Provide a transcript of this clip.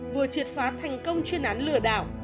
vừa triệt phá thành công chuyên án lừa đảo